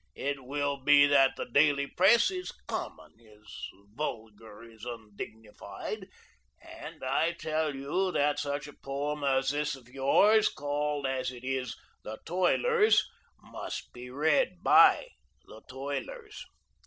It will be that the daily press is common, is vulgar, is undignified; and I tell you that such a poem as this of yours, called as it is, 'The Toilers,' must be read BY the Toilers.